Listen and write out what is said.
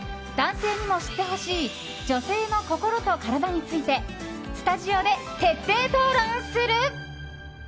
男性にも知ってほしい女性の心と体についてスタジオで徹底討論する。